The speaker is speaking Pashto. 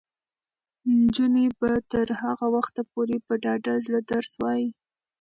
نجونې به تر هغه وخته پورې په ډاډه زړه درس وايي.